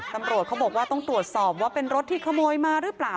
ตำรวจเขาบอกว่าต้องตรวจสอบว่าเป็นรถที่ขโมยมาหรือเปล่า